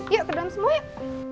yuk ke dalam semua yuk